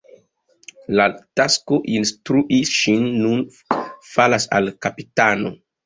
La tasko instrui ŝin nun falas al la kapitano.